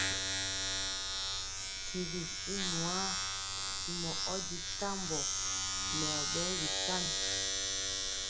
Tigi i nwaa ntimɔ ɔ di tambɔ nɛ ɔ ɓɛɛ bisan.